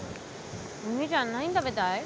お兄ちゃん何食べたい？